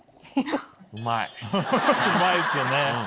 うまいですよね。